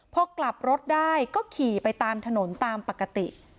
พอกลับรถได้ก็ขี่ไปตามถนนตามปกติ